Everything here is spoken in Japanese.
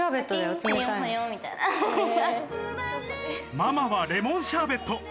ママはレモンシャーベット。